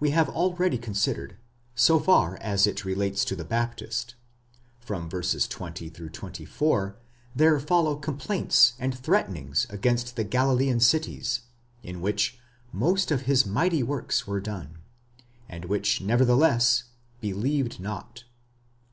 we have already considered, so far as it relates to the Baptist. From v. 20 24, there follow complaints and threatenings against the Galilean cities, in which most of his mighty works were done, and which, nevertheless, de/ieved not.